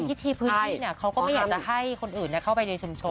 ที่ทีพื้นที่เนี้ยเขาก็ไม่อยากจะให้คนอื่นเนี้ยเข้าไปในชุมชน